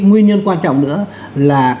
nguyên nhân quan trọng nữa là